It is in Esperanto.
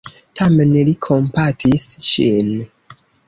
Tamen, li kompatis ŝin.